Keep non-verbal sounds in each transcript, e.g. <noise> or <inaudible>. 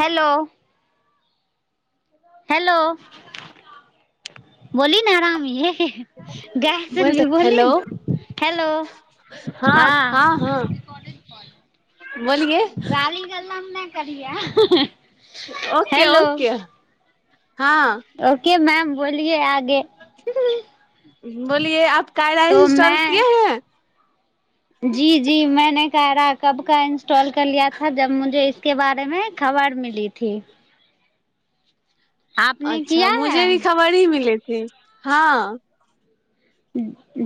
hello hello बोल ने राम ये ग सु बोल तऽ ब हेलो हेलो हँ गी बोलिए गेल ने करलिया ओक ओक हँ ओके मैम बोलिए आ बोलिए आप कायला तो इंस्टॉल मैं किए है जी जी मैंने कह रा कब का इंस्टॉाल कर लियाथा जब मुझे इस के बारेमे खबर मिली ी अच्छा किया है मुझे भी खबर ही मिलै हँ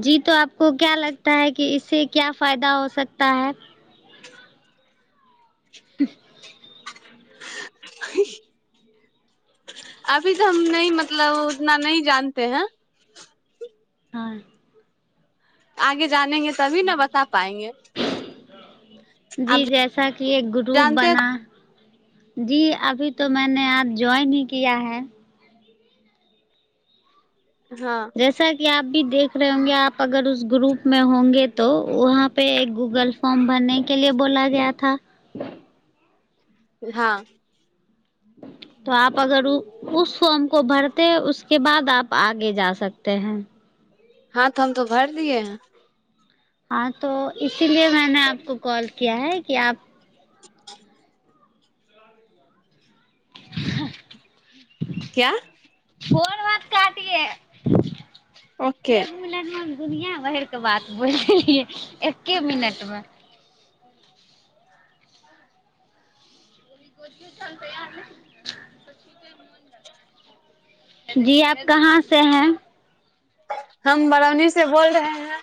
जी त आपको क्या लगता है कि इसे क्या फायदा हो सकता है <unintelligible> अभी तऽ हम न मतलब उतना न जानते है हँ आगे जाानेंगे तभी न बता पाएंगे आ जी जैसा कि एक ग्रुप जानते है बना जी अभी तो मैने आज ज्वाइन ही किया है हाँ जैसा कि आप भी देख रह हंगे आ अगर उस ग्रुप में हंगे त तो वहाँ पे गूगल फॉर्म भरने के लि बोला गयाथ हँ तऽ आप अगर उस फॉर्म को भरते उसके बाद आप आगे जा सकते हैं हँ तऽ हम तो भर दियए है अ तो इसीलिए मैने आपको कॉल क्य है क आप <inaudible> <unintelligible> क्या कोन बात काटे ओके क घमिल दुनििया भर क बात बोलियै एक्े मिनट मे तैारते मे मन लग जी आप कहाँ से हैं हम बरौनी से बोल रहे हैं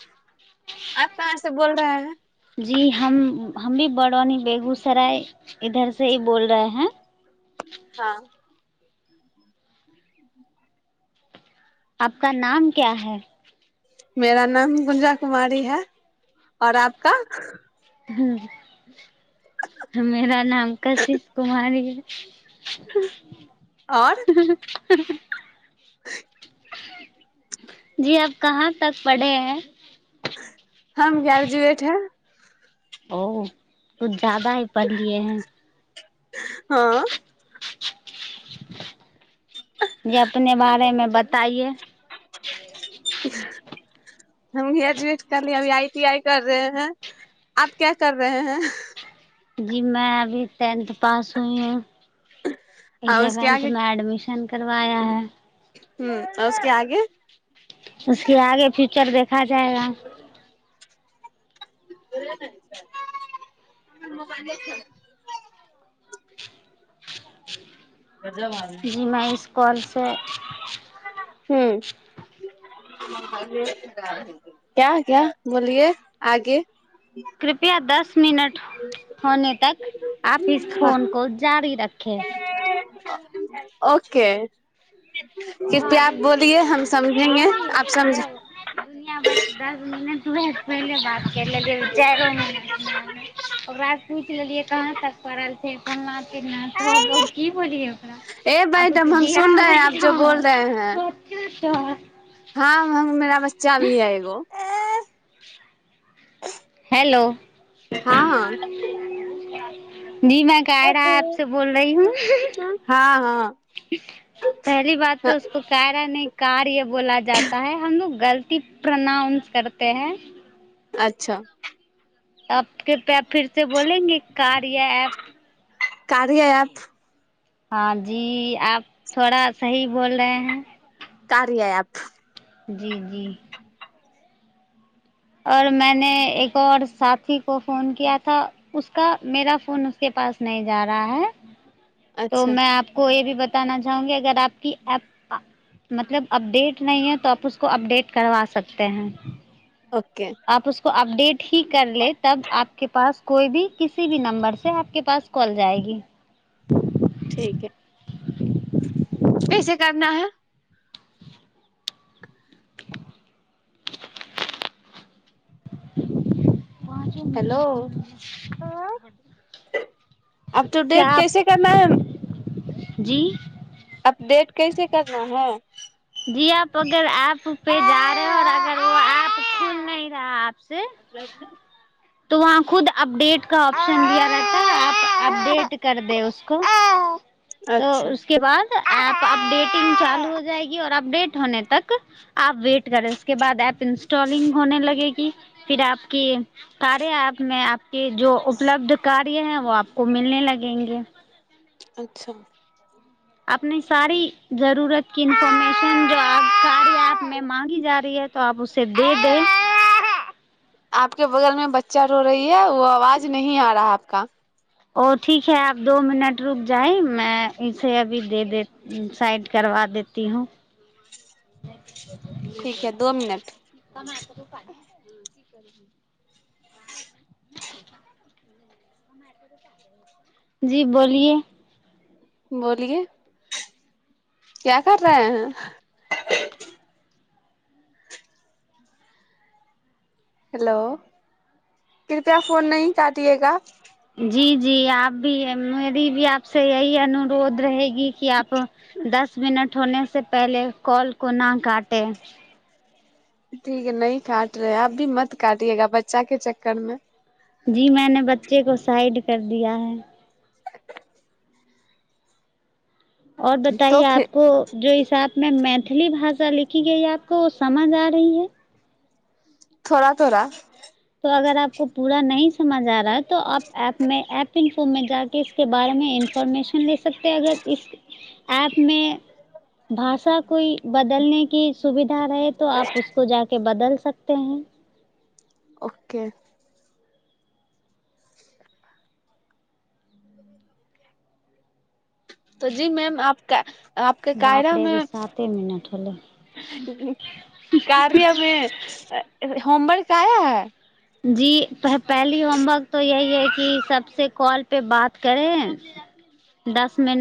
आप कहाँ से बोल रहे हैं जी हम हम भी बड़ौनी बेगूसराय इधर से ई बोल रहे हैं हाँ <unintelligible> आपका नाम क्या है मेरा नाम गुंजा कुमारी है और आपका <unintelligible> <unintelligible> और जी आब कहाँ तक पढ़े है हम गारजी बेेठ ह ओ किुछ ज्याददा ही पढ़ लिए हैं हँ <unintelligible> हम ग्रेजुएट करलिय अभी आई टी आई कर रहे हैं आप क्या कर रहे हैं जी में अभी टेंथ पास हई हूँ आ उसके आगे एलेवेन्थमे एडमिशन करवाा है हू औषके आे उसके आगे फ्यूचर देखा जायगा ब छ जेीमे इसकॉल त <unintelligible> कृपया दस मिनट होने तक आ इस हाँ फोन कॉ जारी रखे ओ <unintelligible> भाभी दुनिआ भरि दस मिनट वए पहिले बात करि लेलै चारिो मिनटमे ओकास पूछि लेलियै कहाँ तक पड़ल छै फलना फिलना छो ब की बोलियौ <unintelligible> ह हँ अछा हँ हम मेरा बच्चा भी है एगो हेलो हँ जी मैं कायराा प से बोल रही हूँ हँ हँ पहली बात तऽ उसको क रहा नहि कार्य बोला जाता है हमलोग गलत प्रनाउंस करते हैं अच्छा पकेृ पे फर से बोलेंगे कार या प कादिय आप हँ जी आप थोड़ा सही बोल रहे हैं कर रहििय आप जी जी और मैने एक आऔर साथी को फोन कियाथा उसका मेरा फोन उसके पास नहि जा रहा है त अच्छा मैं आपको य भी बता बताना चाहूगी अगर प मतलब अपडेट नहि है त उसको अपडेट करवा सकते हैं ओके आप उसको अपडेट ही कर ले तब आपके पास कोइ भी किी भी नं्बर से आपके पास कॉल जाएगी ठीकीक है कैसे करना है ह हेलो अपटू क्या डेट आप कैसे करना है जी ेट कैसे करना है जी आप अगर प पे जा रहे और अगर व ऐप खलही रहा अ ने त वहाँ खुद अपडेट ऑप्शन भी रहता ह य अपडेट कर दे उसको तऽ अच्छा उसके बाद प अपडेटिंग चालू हो जाएगीऔर अपडेट होने तक आप वेट करे उसके बाद एप इंस्टॉलिंग होने लगेगी फिर आपके कार्यप में आपके जो उपलब्ध कार है वो आको मिलने लगेंगे अच्छा अपने सारी जरूरत क इन्फोर्मेशन जो आ सी सा में माँंगी जा रही ह तऽ आप उे दे दे आपके बगल में बच्चा रो रही है व आवाज नं आ रहा आपका ओ ठीक है आप दो मिनट रुक जाइ मैं इे अभी दे दे साइड करबा देती हूँ ठीक है दो मिनट कमा त रूप ह की कर जी बोलिए बोलिे क्या कर रहे है हेलो कृपया फोन न क दियएगा जी जी आप भी मेरी भी आपस यही अनुरोध रहेगी ी कि आप दस मिनट होने से से पहिले कॉल को न काटे <unintelligible> <unintelligible> तो फिर <unintelligible> <unintelligible> थोड़ा थोड़ा <unintelligible> <unintelligible> सकते हैं ओके तऽ जी मैम आप क आपके बाप रे कायरमे अभी साते मिनट होलै कार्यमे <unintelligible> जी पही होमवर्क त यही है कि सबसँ कॉल पे बात करे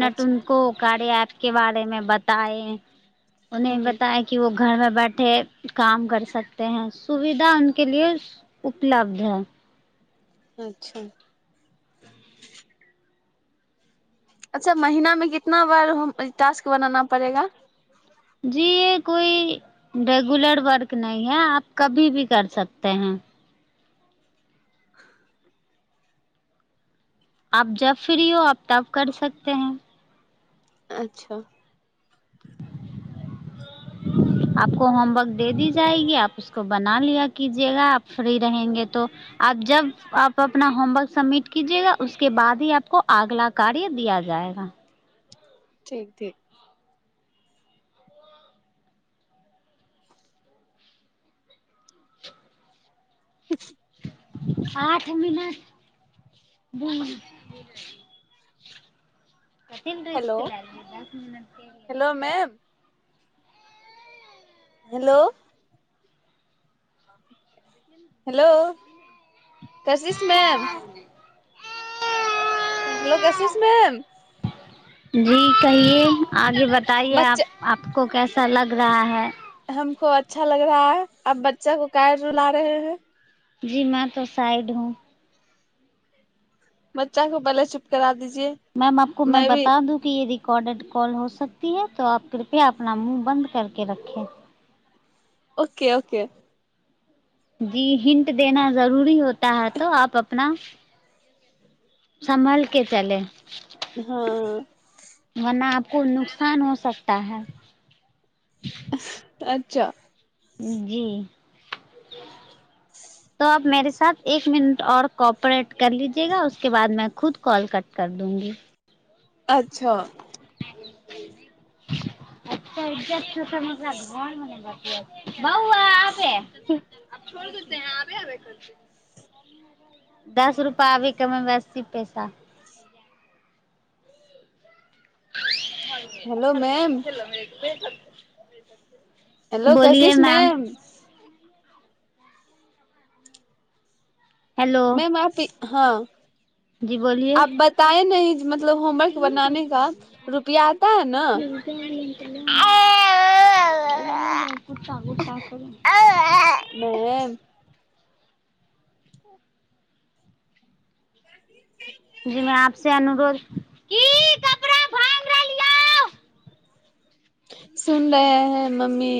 अच्छा के बारेमे बताए ओने हम्म बताा कि वो <unintelligible> उपलब्ध है अच्छा <unintelligible> <unintelligible> <unintelligible> <unintelligible> अच्छा <unintelligible> ठीक ठीक <unintelligible> आठ मिन कथििन हेलो रिस्क ल दस मिन hello ma'am hello hello cassis ma'am लसस मैम जी कहिए आ जी बताइए आ बच्चा आपको कैसा लग रहा है <unintelligible> जीमें तो साइड हू <unintelligible> मैं भी <unintelligible> <unintelligible> ओ ओ जी हिंट देना जरूरी होता है तो आप अपना सम्भल के चले हँ को नुकसान हो सकता है <unintelligible> अच्छा जी त आप मेे साथ एक मिनट आऔर कोॉपरेट कर लीजेगा उसके बाद में खुद कॉल कट कर दूंगी अच्छा अच्छा त घ मने बात बउ आ आे दस रुपा आब कमे बसी पैसा हरम हेलो हरम मैम छलेल त hello Kashish ma'am hello ma'am आी हँ जी बोलिए आप बताए न मतलब होमवर्क बनाे का रुपआ आता है न <inaudible> नहि की जी मैं आपसे अनुरोध की कपड़ा भहि सुन रहे हैं मम्मी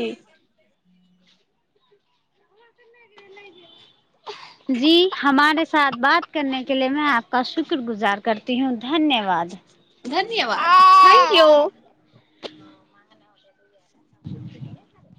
जी हमारे साथ बात करने के लि में आपका शुक्रगुजार करती हूँ धन्यवाद धन्यवाद थैंक यू <unintelligible>